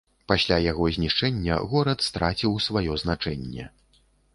Пасля яго знішчэння горад страціў сваё значэнне.